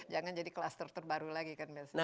jangan jadi kluster terbaru lagi kan biasanya